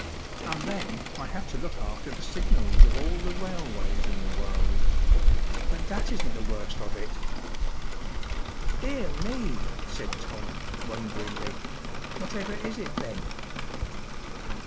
And then I have to look after the signals of all the railways in the world ; but that isn’t the worst of it.” “ Dear me,” said Tom,. wonderingly, “ whatever is it, then